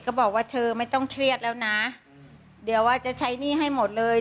บอกว่าเธอไม่ต้องเครียดแล้วนะเดี๋ยวว่าจะใช้หนี้ให้หมดเลย